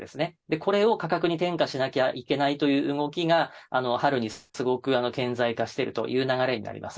これを価格に転嫁しなきゃいけないという動きが、春にすごく顕在化してるという流れになります。